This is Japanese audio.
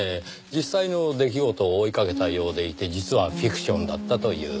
実際の出来事を追いかけたようでいて実はフィクションだったという。